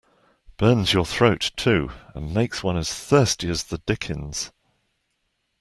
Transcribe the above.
Burns your throat, too, and makes one as thirsty as the dickens.